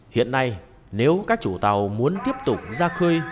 hiện nay nếu các chủ tàu muốn tiếp tục ra khơi